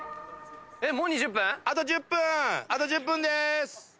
もう２０分⁉あと１０分でーす。